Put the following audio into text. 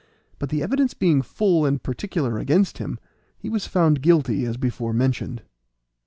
But the evidence being full and particular against him, he was found guilty as before mentioned.